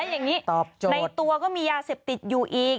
อย่างนี้ในตัวก็มียาเสพติดอยู่อีก